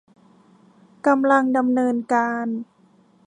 กำลังดำเนินการ